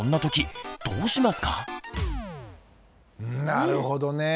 なるほどね。